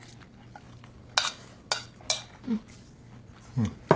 うん。